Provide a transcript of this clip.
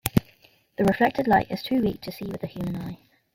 The reflected light is too weak to see with the human eye.